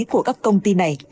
của các công ty này